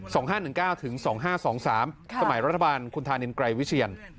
สมัยรัฐบาลคุณธานินไกรวิเชียน